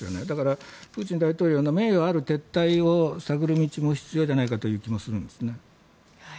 だからプーチン大統領の名誉ある撤退を探る道も必要じゃないかという気もするんです。